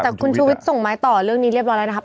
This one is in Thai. แต่คุณชูวิทย์ส่งไม้ต่อเรื่องนี้เรียบร้อยแล้วนะครับ